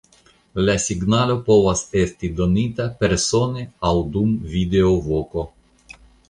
La signalo povas esti donita persone aŭ dum videovoko.